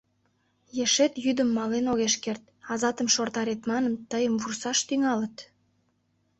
Ешет йӱдым мален огеш керт, азатым шортарет манын, тыйым вурсаш тӱҥалыт.